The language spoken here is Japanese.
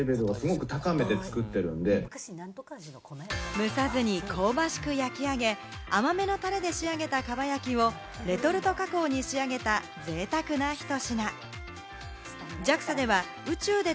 蒸さずに香ばしく焼き上げ、甘めのタレで仕上げた、かば焼きをレトルト加工に仕上げた、ぜいたくなひと品。